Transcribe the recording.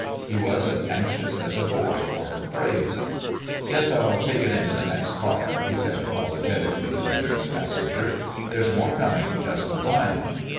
He was as anxious as a boy for her praise. "Guess I'll take it into the next car," he said apologetically to the nearest passenger; "there's more coming, just behind."